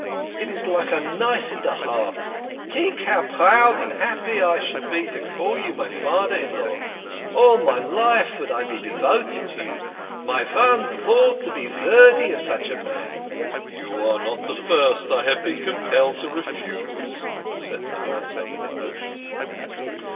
It is like a knife in de heart ! Tink how proud and happy I should be to call you my fader in law. All my life vould be THE KING OF SCHNORRERS. 65 devoted to you my von thought to be vordy of such a man." "You are not the first I have been compelled to refuse," said Manasseh, with emotion.